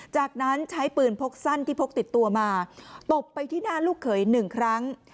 จากนั้นใช้ปืนพกสั้นที่พกติดตัวมาตบไปที่หน้าลูกเขยหนึ่งครั้ง